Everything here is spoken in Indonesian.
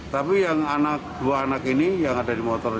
tapi yang anak dua anak ini yang ada di motor ini